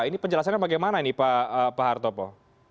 ini penjelasannya bagaimana ini pak hartopo